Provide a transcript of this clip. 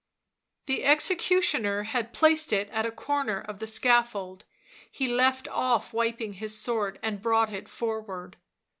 The executioner had placed it at a corner of the scaffold; he left off wiping his sword and brought it forward.